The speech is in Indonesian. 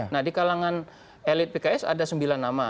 nah di kalangan elit pks ada sembilan nama